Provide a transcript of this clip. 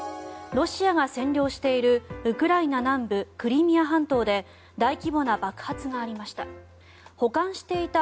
ロシアが占領しているウクライナ南部クリミア半島で大規模な爆発がありました。